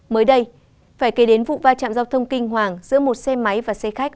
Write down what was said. mới đây phải kể đến vụ va chạm giao thông kinh hoàng giữa một xe máy và xe khách